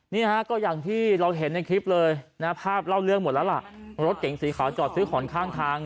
นี่ฮะก็อย่างที่เราเห็นในคลิปเลยนะฮะภาพเล่าเรื่องหมดแล้วล่ะรถเก๋งสีขาวจอดซื้อของข้างทาง